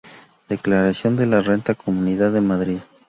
Declaración de la renta Comunidad de Madrid